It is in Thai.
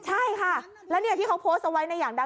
ใช่ค่ะแล้วเนี่ยที่เขาโพสต์เอาไว้ในอย่างดัง